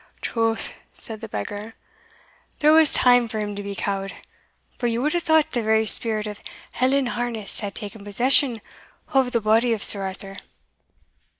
"Troth," said the beggar, "there was time for him to be cowed; for ye wad hae thought the very spirit of Hell in Harness had taken possession o' the body o' Sir Arthur.